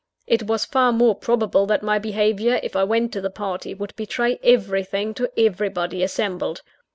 It was far more probable that my behaviour, if I went to the party, would betray everything to everybody assembled.